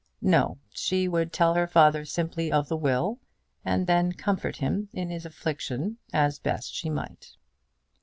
No; she would tell her father simply of the will, and then comfort him in his affliction as best she might.